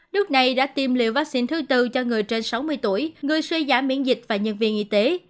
đức này đã tiêm liệu vaccine thứ tư cho người trên sáu mươi tuổi người suy giả miễn dịch và nhân viên y tế